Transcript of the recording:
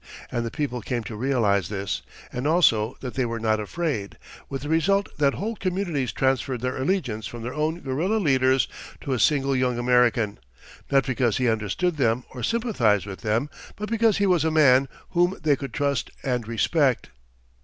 And the people came to realize this, and also that they were not afraid, with the result that whole communities transferred their allegiance from their own guerilla leaders to a single young American, not because he understood them or sympathized with them, but because he was a man whom they could trust and respect.